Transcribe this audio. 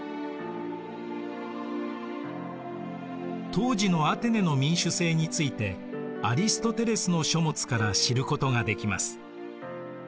当時のアテネの民主政についてアリストテレスの書物から知ることができます。